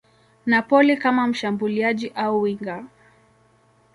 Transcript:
Napoli kama mshambuliaji au winga.